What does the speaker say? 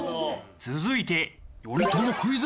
続いて。